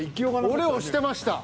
俺は押してました。